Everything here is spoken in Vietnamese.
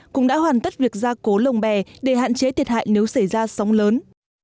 cũng đã hoàn tất việc ra cố lồng bè để hạn chế thiệt hại nếu xảy ra sóng lớn